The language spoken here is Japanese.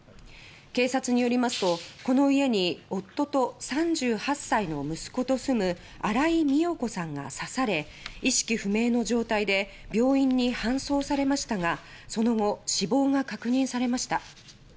警察によりますとこの家に夫と３８歳の息子と住む新井美代子さんが刺され意識不明の状態で病院に搬送されましたがその後死亡が確認されました。